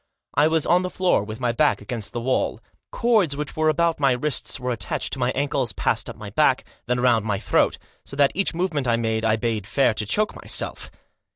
I was on the floor with my back against the wall. Cords which were about my wrists were attached to my ankles, passed up my back, then round my throat, so that each movement I made I bade fair to choke myself.